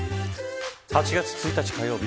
８月１日火曜日